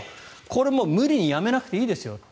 これも無理にやめなくていいですよ。